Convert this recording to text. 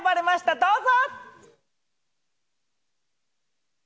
どうぞ！